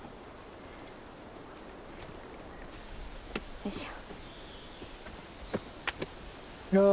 よいしょ。